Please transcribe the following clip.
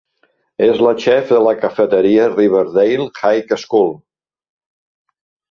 És la xef de la cafeteria de Riverdale High School.